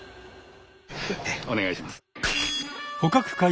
お願いします。